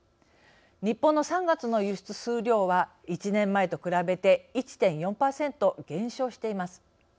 日本の３月の輸出数量は１年前と比べて１．４％減少しています。